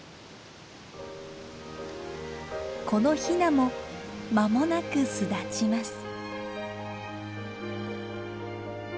このヒナも間もなく巣立ちます。